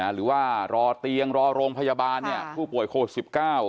หรือว่ารอเตียงรอโรงพยาบาลผู้ป่วยโควิด๑๙